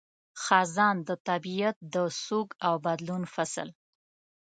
خزان – د طبیعت د سوګ او بدلون فصل